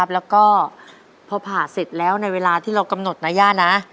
แล้วก็พอผ่าเสร็จแล้วในเวลาที่เรากำหนดนะย่านะ